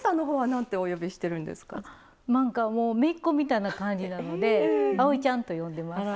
なんかもうめいっ子みたいな感じなのであおいちゃんと呼んでます。